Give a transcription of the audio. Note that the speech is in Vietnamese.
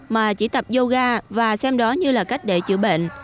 mà chỉ tập yoga và xem đó như là cách để chữa bệnh